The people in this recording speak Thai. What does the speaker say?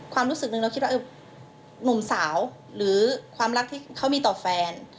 ความรู้สึกหนึ่งเราคิดว่าหนุ่มสาวหรือความรักที่เขามีต่อแฟน